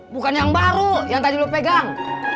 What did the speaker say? bukan yang baru yang tadi lo pegang